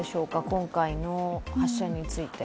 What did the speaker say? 今回の発射について。